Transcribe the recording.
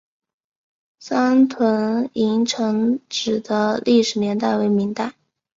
三屯营城址的历史年代为明代。